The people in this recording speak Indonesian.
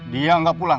dia enggak pulang